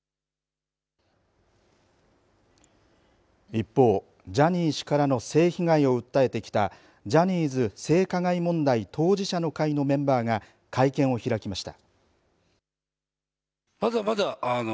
一方、ジャニー氏からの性被害を訴えてきたジャニー性加害問題当事者の会のメンバーが会見を開きました。